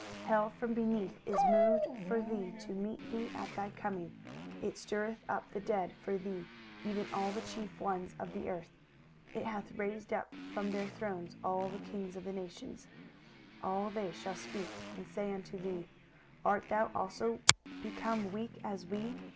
23:014:009 Hell from beneath is moved for thee to meet thee at thy coming: it stirreth up the dead for thee, even all the chief ones of the earth; it hath raised up from their thrones all the kings of the nations. 23:014:010 All they shall speak and say unto thee, Art thou also become weak as we?